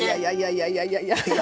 いやいやいやいや。